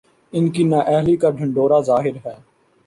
ان کی نااہلی کا ڈھنڈورا ظاہر ہے۔